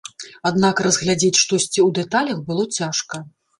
Аднак разглядзець штосьці ў дэталях было цяжка.